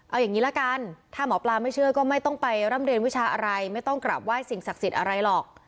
เอาอย่างนี้ละกันถ้าหมอปลาไม่เชื่อก็ไม่ต้องไปร่ำเรียนวิชาอะไรไม่ต้องกลับไห้สิ่งศักดิ์สิทธิ์อะไรหรอก